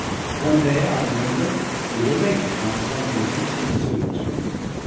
One day, I remember, we were late upon some business in the steward's room.